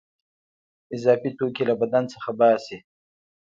اضافي توکي له بدن څخه باسي.